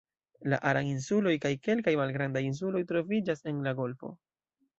La Aran-insuloj kaj kelkaj malgrandaj insuloj troviĝas en la golfo.